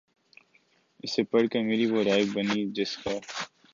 اسے پڑھ کر میری وہ رائے بنی جس کا